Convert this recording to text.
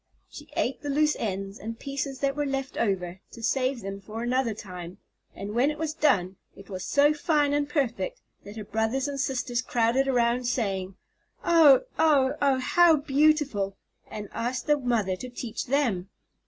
She ate the loose ends and pieces that were left over, to save them for another time, and when it was done, it was so fine and perfect that her brothers and sisters crowded around, saying, "Oh! oh! oh! how beautiful!" and asked the mother to teach them.